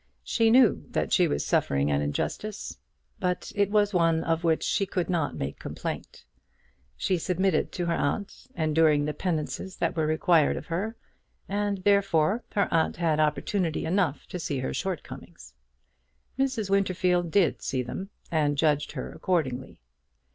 She knew that she was suffering an injustice, but it was one of which she could not make complaint. She submitted to her aunt, enduring the penances that were required of her; and, therefore, her aunt had opportunity enough to see her shortcomings. Mrs. Winterfield did see them, and judged her accordingly.